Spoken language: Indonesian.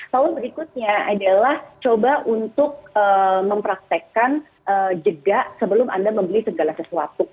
lalu berikutnya adalah coba untuk mempraktekkan jega sebelum anda membeli segala sesuatu